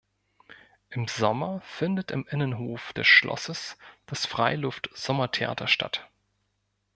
Im Sommer findet im Innenhof des Schlosses das Freiluft-Sommertheater statt.